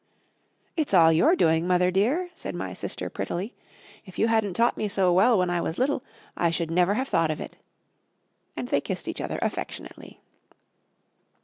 "It's all your doing, mother dear," said my sister prettily; "if you hadn't taught me so well when I was little, I should never have thought of it." And they kissed each other affectionately.